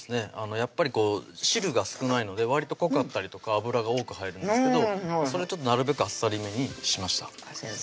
やっぱり汁が少ないのでわりと濃かったりとか油が多く入るんですけどそれちょっとなるべくあっさりめにしました先生